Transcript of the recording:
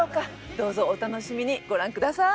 どうぞお楽しみにご覧下さい！